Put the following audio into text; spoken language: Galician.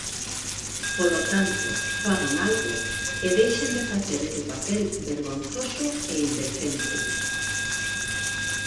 Polo tanto, fagan algo e deixen de facer este papel vergonzoso e indecente.